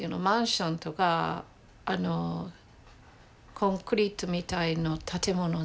マンションとかコンクリートみたいな建物